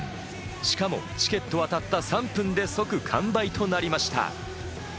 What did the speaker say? しかも、チケットはたった３分で即完売となりました。